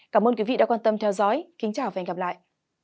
cảm ơn quý vị đã quan tâm theo dõi kính chào và hẹn gặp lại